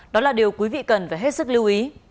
đó là điều quý vị cần phải hết sức lưu ý